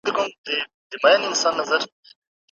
يو له بل څخه بايد خپل مزاج، موخي او درک ونه غواړي.